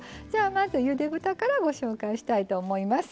まず、ゆで豚からご紹介したいと思います。